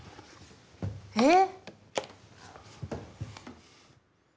えっ。